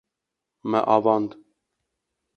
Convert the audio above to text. Me avand.